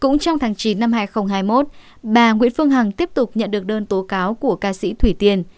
cũng trong tháng chín năm hai nghìn hai mươi một bà nguyễn phương hằng tiếp tục nhận được đơn tố cáo của ca sĩ thủy tiền